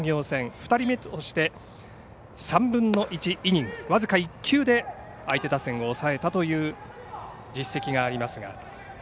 ２人目として３分の１イニングで僅か１球で相手打線を抑えたという実績があります。